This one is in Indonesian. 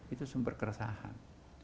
itu sumber keresahan